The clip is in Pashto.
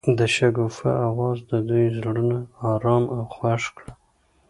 د شګوفه اواز د دوی زړونه ارامه او خوښ کړل.